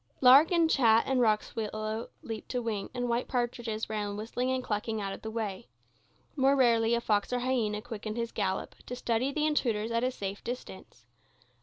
Lark and chat and rock swallow leaped to wing, and white partridges ran whistling and clucking out of the way. More rarely a fox or a hyena quickened his gallop, to study the intruders at a safe distance.